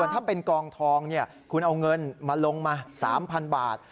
ถ้าเป็นกองทองคุณเอาเงินมาลงมา๓๐๐๐บาท